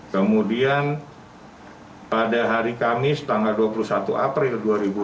kemudian pada hari kamis tanggal dua puluh satu april dua ribu dua puluh